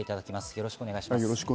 よろしくお願いします。